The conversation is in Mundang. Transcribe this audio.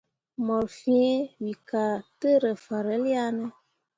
Mor fẽẽ we ka tǝ rǝ fahrel ya ne ?